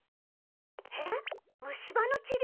えっ虫歯の治療？